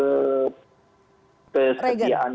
yang kita sudah perlukan untuk kemudian menggunakan